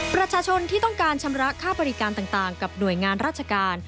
ประชาชนที่ต้องการชำระค่าบริการต่างกับหน่วยงานราชการ